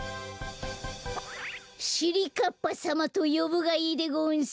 しりかっぱさまとよぶがいいでごんす。